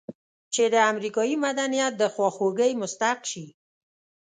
چې د امریکایي مدنیت د خواخوږۍ مستحق شي.